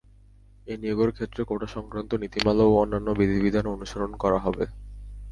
এই নিয়োগের ক্ষেত্রে কোটাসংক্রান্ত নীতিমালা ও অন্যান্য বিধিবিধান অনুসরণ করা হবে।